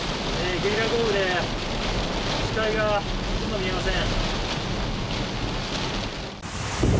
ゲリラ豪雨で視界がほとんど見えません。